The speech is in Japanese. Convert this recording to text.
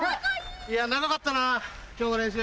長かったな今日の練習。